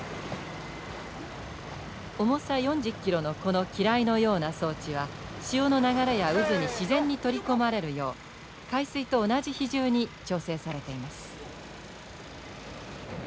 重さ４０ｋｇのこの機雷のような装置は潮の流れや渦に自然に取り込まれるよう海水と同じ比重に調整されています。